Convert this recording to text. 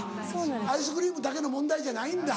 アイスクリームだけの問題じゃないんだ。